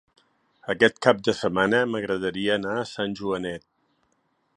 Aquest cap de setmana m'agradaria anar a Sant Joanet.